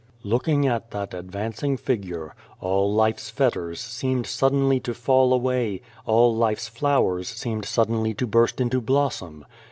Looking at that advancing Figure, all Life's fetters seemed suddenly to fall away, all Life's flowers seemed suddenly to burst into blossom.